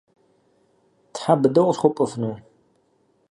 Тхьэ быдэу къысхуэпӀуэфыну?